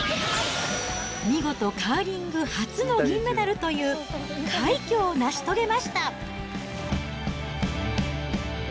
見事、カーリング初の銀メダルという快挙を成し遂げました。